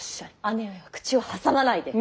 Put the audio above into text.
姉上は口を挟まないで。